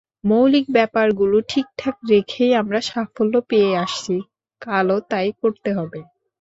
মৌলিক ব্যাপারগুলো ঠিকঠাক রেখেই আমরা সাফল্য পেয়ে আসছি, কালও তাই করতে হবে।